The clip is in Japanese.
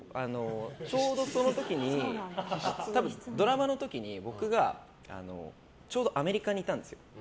ちょうどその時にドラマの時に僕がちょうどアメリカにいたんですよ。